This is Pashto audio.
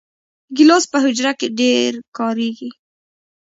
ګیلاس په حجره کې ډېر کارېږي.